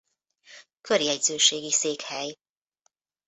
Körjegyzőségi székhely.